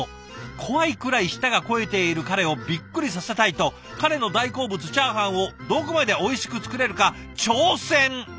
怖いくらい舌が肥えている彼をびっくりさせたいと彼の大好物チャーハンをどこまでおいしく作れるか挑戦。